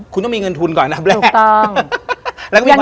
คุณต้องมีเงินทุนก่อนอันดับแรก